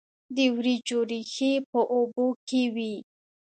د وریجو ریښې په اوبو کې وي.